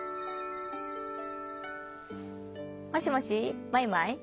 もしもしマイマイ？